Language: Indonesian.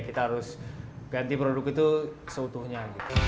kita harus ganti produk itu seutuhnya